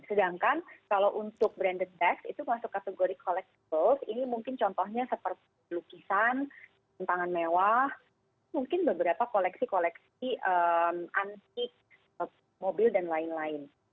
sedangkan kalau untuk branded dex itu masuk kategori collective ini mungkin contohnya seperti lukisan tentangan mewah mungkin beberapa koleksi koleksi antik mobil dan lain lain